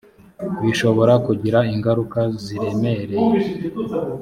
bishobora kugira ingaruka ziremereye